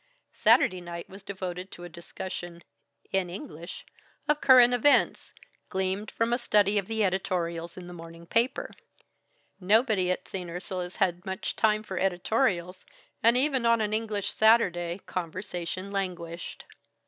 Saturday night was devoted to a discussion (in English) of current events, gleaned from a study of the editorials in the morning paper. Nobody at St. Ursula's had much time for editorials, and even on an English Saturday conversation languished.